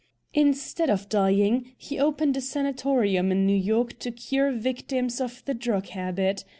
Instead of dying, he opened a sanatorium in New York to cure victims of the drug habit.